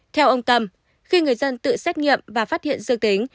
theo ông tâm khi người dân tự xét nghiệm và phát hiện dương tính